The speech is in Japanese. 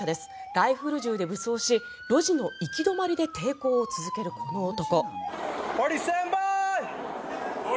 ライフル銃で武装し路地の行き止まりで抵抗を続けるこの男。